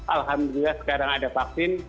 alhamdulillah sekarang ada vaksin